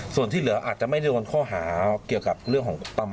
ส่วนที่เหลืออาจจะไม่ได้โดนข้อหาเกี่ยวกับเรื่องของประมาท